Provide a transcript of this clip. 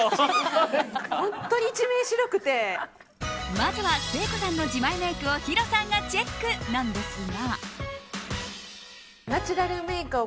まずは誠子さんの自前メイクをヒロさんがチェックなんですが。